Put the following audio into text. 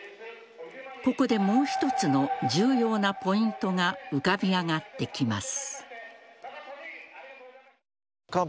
ここでもう一つの重要なポイントが浮かび上がってきます。